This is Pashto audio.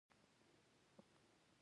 څلورم مطلب : د اسلام د سیاسی نظام تعریف